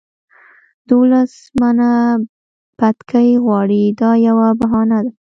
دولس منه بتکۍ غواړي دا یوه بهانه ده.